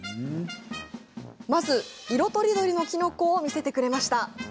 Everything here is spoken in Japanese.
まず、色とりどりのキノコを見せてくれました。